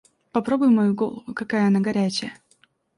Попробуй мою голову, какая она горячая.